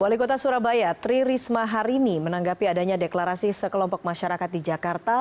wali kota surabaya tri risma hari ini menanggapi adanya deklarasi sekelompok masyarakat di jakarta